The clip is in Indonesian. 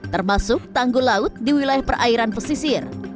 termasuk tanggul laut di wilayah perairan pesisir